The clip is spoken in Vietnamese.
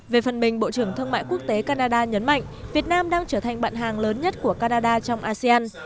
về phần mình bộ trưởng thương mại quốc tế canada nhấn mạnh việt nam đang trở thành bạn hàng lớn nhất của canada trong asean